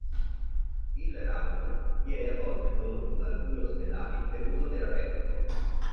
Il radon viene a volte prodotto da alcuni ospedali per uso terapeutico.